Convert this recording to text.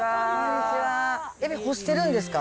エビ干してるんですか？